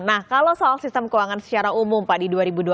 nah kalau soal sistem keuangan secara umum pak di dua ribu dua puluh